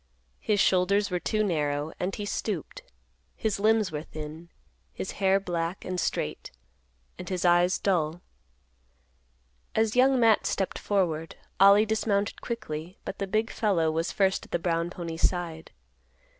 His shoulders were too narrow and he stooped; his limbs were thin; his hair black and straight; and his eyes dull. As Young Matt stepped forward, Ollie dismounted quickly, but the big fellow was first at the brown pony's side.